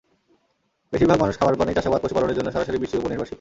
বেশির ভাগ মানুষ খাবার পানি, চাষাবাদ, পশুপালনের জন্য সরাসরি বৃষ্টির ওপর নির্ভরশীল।